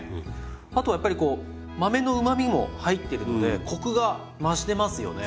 あとやっぱりこう豆のうまみも入ってるのでコクが増してますよね。